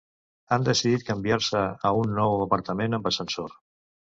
Han decidit canviar-se a un nou apartament amb ascensor.